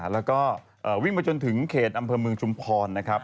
แล้วก็วิ่งมาจนถึงเขตอำเภอเมืองชุมพรนะครับ